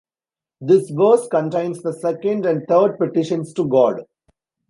This verse contains the second and third petitions to God.